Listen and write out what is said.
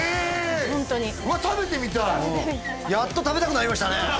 ホントにわっ食べてみたいやっと食べたくなりましたね